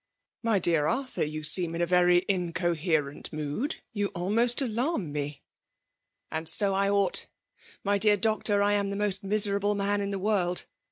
'"" My dear Arthur, you seem in a Tery incoherent mood ; you almost alarm me.*' " And so I ought ! My dear doctor ! I am the most miserable man in the world